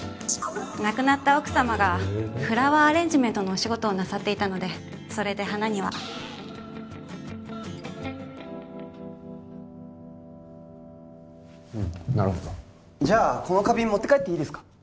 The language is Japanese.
亡くなった奥様がフラワーアレンジメントのお仕事をなさっていたのでそれで花にはなるほどじゃあこの花瓶持って帰っていいですか？